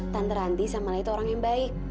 tante randi sama lia tuh orang yang baik